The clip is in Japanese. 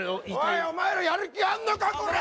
おいお前らやる気あんのかこら！